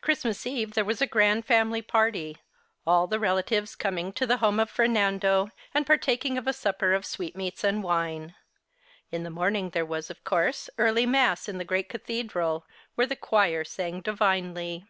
Christmas Eve there was a grand family party, all the relatives coming to the home of Fernando and partaking of a supper of sweet meats and wine. In the morning there was, of course, early Mass in the great cathedral, where the choir sang divinely.